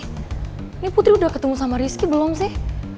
ini putri udah ketemu sama rizky belum sih